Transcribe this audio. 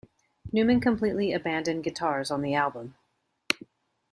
Numan completely abandoned guitars on the album.